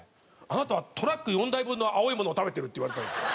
「あなたはトラック４台分の青いものを食べてる」って言われたんですよ。